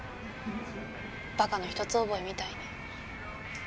バカの一つ覚えみたいに。